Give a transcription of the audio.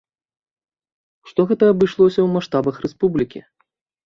У што гэта абышлося ў маштабах рэспублікі?